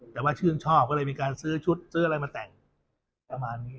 แต่ว่าชื่นชอบก็เลยมีการซื้อชุดซื้ออะไรมาแต่งประมาณนี้